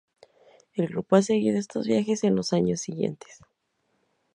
El grupo ha seguido estos viajes en los años siguientes.